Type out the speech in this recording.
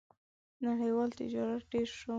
• نړیوال تجارت ډېر شو.